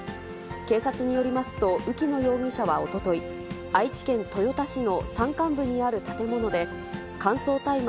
警察によりますと、浮野容疑者はおととい、愛知県豊田市の山間部にある建物で、乾燥大麻